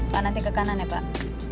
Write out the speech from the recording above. pak nanti ke kanan ya pak